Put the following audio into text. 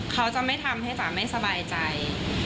เขาจะไม่ทำให้จ๋าไม่สบายใจ